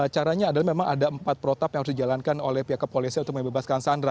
caranya adalah memang ada empat protap yang harus dijalankan oleh pihak kepolisian untuk membebaskan sandra